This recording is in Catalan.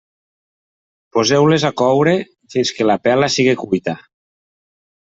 Poseu-les a coure fins que la pela sigui cuita.